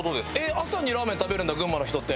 朝にラーメン食べるんだ群馬の人って。